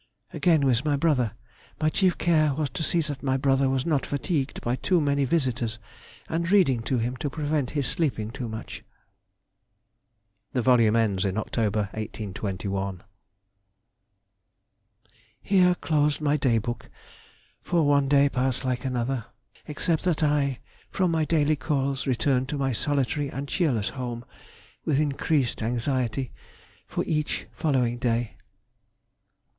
_—Again with my brother. My chief care was to see that my brother was not fatigued by too many visitors, and reading to him to prevent his sleeping too much. The volume ends in October, 1821. "Here closed my Day book, for one day passed like another, except that I, from my daily calls, returned to my solitary and cheerless home with increased anxiety for each following day."